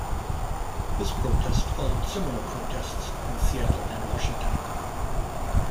This protest followed similar protests in Seattle and Washington.